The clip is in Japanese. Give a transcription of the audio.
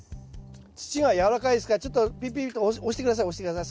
土がやわらかいですからちょっとピピッと押して下さい押して下さい。